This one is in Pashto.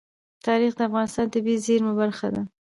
تاریخ د افغانستان د طبیعي زیرمو برخه ده.